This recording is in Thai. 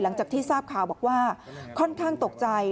หลังจากที่ทราบข่าวบอกว่าค่อนข้างตกใจ